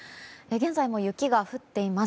現在も雪が降っています。